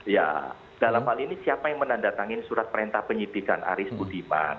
ya dalam hal ini siapa yang menandatangani surat perintah penyidikan aris budiman